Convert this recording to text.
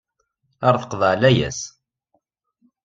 Ar teqḍeε layas.